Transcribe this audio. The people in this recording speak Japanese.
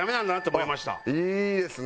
いいですね。